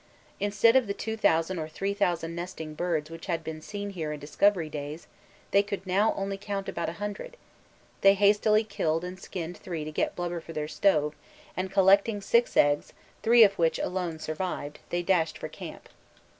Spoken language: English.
Instead of the 2000 or 3000 nesting birds which had been seen here in Discovery days, they could now only count about 100; they hastily killed and skinned three to get blubber for their stove, and collecting six eggs, three of which alone survived, they dashed for camp.